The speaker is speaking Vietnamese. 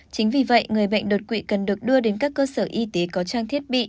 chính vì vậy người bệnh đột quỵ cần được đưa đến các cơ sở y tế có trang thiết bị